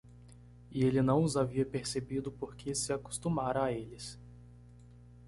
E ele não os havia percebido porque se acostumara a eles.